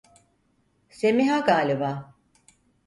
Semiha galiba!